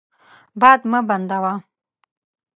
باد مه بندوه.